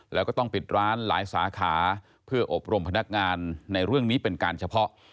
แล้วก็ต้องปิดร้านหลายสาขาเพื่ออบรมพนักงานในเรื่องนี้เป็นการเฉพาะ